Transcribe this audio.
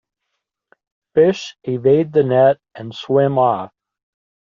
Fish evade the net and swim off.